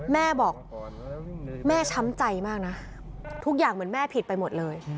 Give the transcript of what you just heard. แม่บอกแม่ช้ำใจมากนะทุกอย่างเหมือนแม่ผิดไปหมดเลย